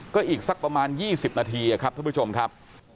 ก็อีกสักประมาณ๒๐นาทีครับท่านผู้ชมครับ